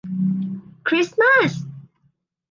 คริสต์มาส